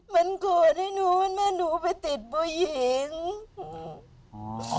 มันกลัวให้หนูมันแม่หนูไปติดผู้หญิง